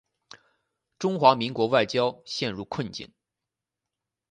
中华民国外交陷入困境。